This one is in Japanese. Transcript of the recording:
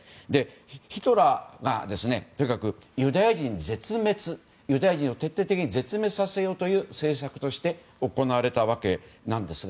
ヒトラーがユダヤ人を徹底的に絶滅させようという政策として行われたわけなんですが。